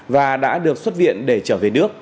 và đã được xuất viện để trở về nước